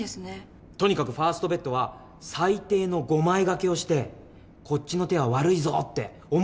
とにかくファーストベットは最低の５枚賭けをしてこっちの手は悪いぞって思わせるしかないんだよ。